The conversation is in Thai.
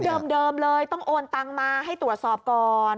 เดิมเลยต้องโอนตังมาให้ตรวจสอบก่อน